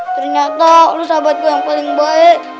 ternyata lu sahabat gua yang paling baik